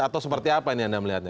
atau seperti apa ini anda melihatnya